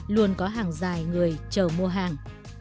luôn có hàng dài người chờ mua hàng